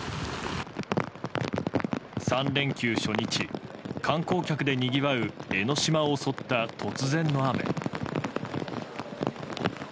３連休初日、観光客でにぎわう江の島を襲った突然の雨。